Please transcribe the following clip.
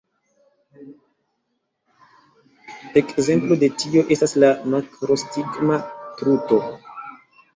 Ekzemplo de tio estas la makrostigma truto.